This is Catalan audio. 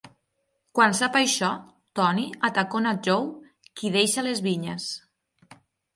Quan sap això, Tony atacona Joe, qui deixa les vinyes.